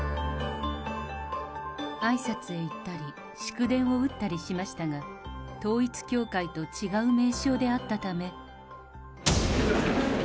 あいさつへ行ったり、祝電を打ったりしましたが、統一教会と違う名称であったため。